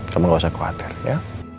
kamu gak usah khawatir ya